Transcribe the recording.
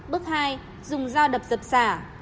bước hai dùng dao đập dập xả